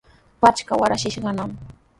Pachaqa waraskishqanami.